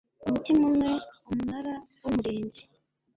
umutima umwe umunara w umurinzi